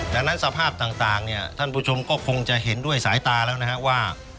ดังนั้นสภาพต่างเนี่ยท่านผู้ชมก็คงจะเห็นด้วยสายตาแล้วนะฮะว่า